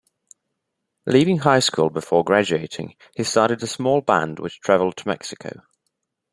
Leaving high school before graduating, he started a small band which traveled to Mexico.